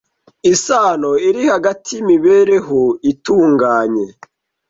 isano iri hagati y’imibereho itunganye